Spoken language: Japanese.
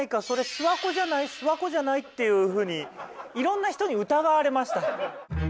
「それ諏訪湖じゃない諏訪湖じゃない？」っていうふうにいろんな人に疑われました。